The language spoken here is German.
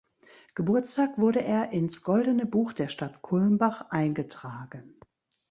Geburtstag wurde er ins Goldene Buch der Stadt Kulmbach eingetragen.